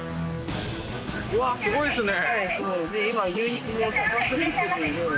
うわあすごいですね！